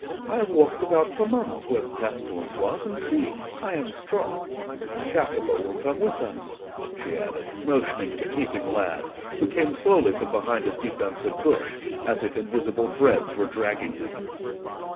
I have walked about for months where the pestilence was, and see, I am strong. Jacopo will come with us," she added, motioning to the peeping lad, who came slowly from behind his defensive bush, as if invisible threads were dragging him.